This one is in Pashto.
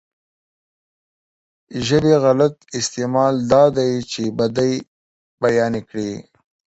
ژبې غلط استعمال دا دی چې بدۍ بيانې کړي.